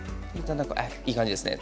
いい感じですね。